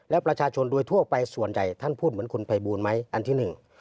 แล้วประชาชนโดยทั่วไปส่วนใหญ่ท่านพูดเหมือนคุณภัยบูลไหมอันที่หนึ่ง